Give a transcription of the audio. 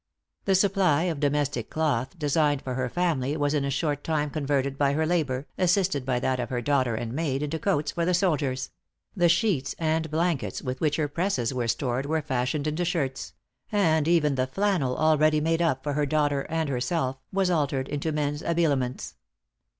The supply of domestic cloth designed for her family was in a short time converted by her labor, assisted by that of her daughter and maid, into coats for the soldiers: the sheets and blankets with which her presses were stored, were fashioned into shirts; and even the flannel already made up for herself and daughter, was altered into men's habiliments.